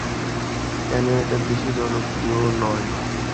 কেন এটা বেশি জনপ্রিয় নয়?